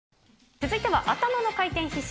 続いては頭の回転必至。